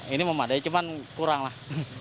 ini memadai cuman kurang lah